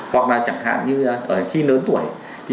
hoặc là chẳng hạn như khi lớn tuổi